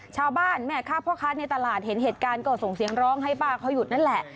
ชาวบ้านแม่ค้าพ่อค้าในตลาดเห็นเหตุการณ์ก็ส่งเสียงร้องให้ป้าเขาหยุดนั่นแหละ